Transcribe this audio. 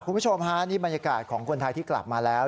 คุณผู้ชมฮะนี่บรรยากาศของคนไทยที่กลับมาแล้ว